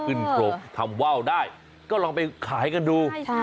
โครงทำว่าวได้ก็ลองไปขายกันดู